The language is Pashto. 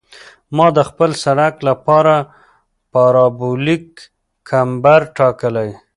ما د خپل سرک لپاره پارابولیک کمبر ټاکلی دی